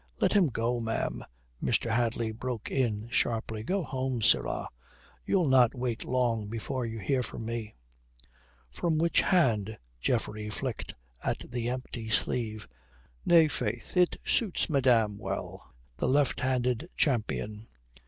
"Let him go, ma'am," Mr. Hadley broke in sharply. "Go home, sirrah. You'll not wait long before you hear from me." "From which hand?" Geoffrey flicked at the empty sleeve. "Nay, faith, it suits madame well, the left handed champion."